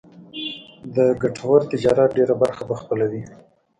د ګټور تجارت ډېره برخه به خپلوي.